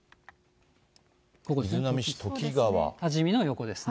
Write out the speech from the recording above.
多治見の横ですね。